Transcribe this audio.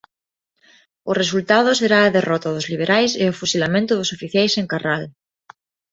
O resultado será a derrota dos liberais e o fusilamento dos oficiais en Carral.